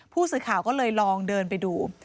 ผู้สื่อข่าวก็เลยลองเดินไปดู